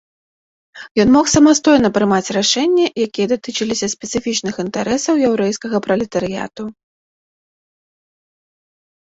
Ён мог самастойна прымаць рашэнні, якія датычыліся спецыфічных інтарэсаў яўрэйскага пралетарыяту.